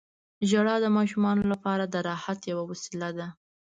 • ژړا د ماشومانو لپاره د راحت یوه وسیله ده.